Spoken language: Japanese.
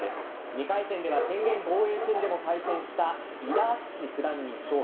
２回戦では天元防衛戦でも対戦した伊田篤史九段に勝利。